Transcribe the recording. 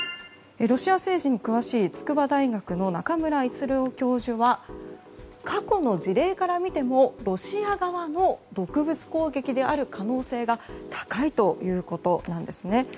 ロシア政治に詳しい筑波大学の中村逸郎教授は過去の事例から見てもロシア側の毒物攻撃である可能性が高いということです。